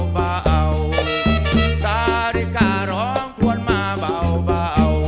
สาดิการ้องทวนมาเบา